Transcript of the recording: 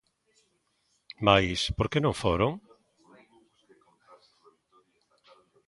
Mais, por que non foron?